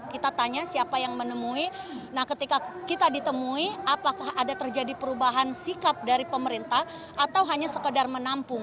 kita tanya siapa yang menemui nah ketika kita ditemui apakah ada terjadi perubahan sikap dari pemerintah atau hanya sekedar menampung